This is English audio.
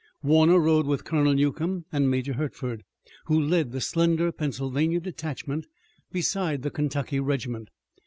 Warner rode with Colonel Newcomb and Major Hertford, who led the slender Pennsylvania detachment beside the Kentucky regiment.